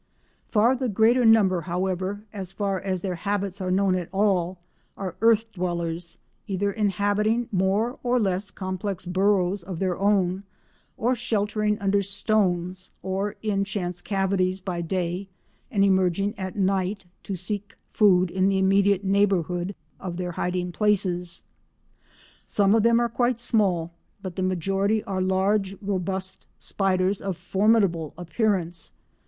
Far the greater number, however, as far as their habits are known at all, are earth dwellers, either inhabiting more or less complex burrows of their own, or sheltering under stones or in chance cavities by day and emerging at night to seek food in the immediate neighbourhood of their hiding places. Some of them are quite small, but the majority are large robust spiders, of formidable appearance.